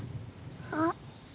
あっ。